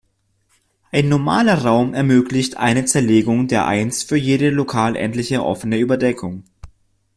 Ein normaler Raum ermöglicht eine Zerlegung der Eins für jede lokal endliche offene Überdeckung.